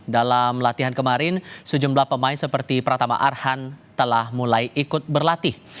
dalam latihan kemarin sejumlah pemain seperti pratama arhan telah mulai ikut berlatih